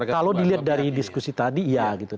kalau dilihat dari diskusi tadi iya gitu